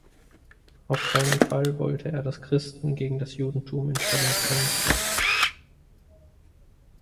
Auf keinen Fall wollte er das Christen- gegen das Judentum in Stellung bringen.